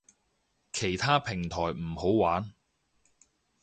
其他平台唔好玩